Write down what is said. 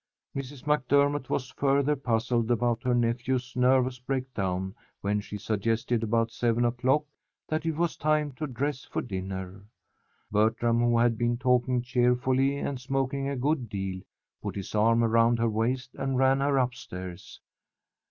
Mrs. MacDermott was further puzzled about her nephew's nervous breakdown when she suggested about 7 o'clock that it was time to dress for dinner. Bertram who had been talking cheerfully and smoking a good deal, put his arm round her waist and ran her upstairs.